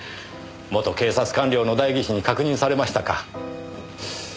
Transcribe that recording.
元警察官僚の代議士に確認されましたか。